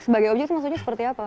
jadi objek itu maksudnya seperti apa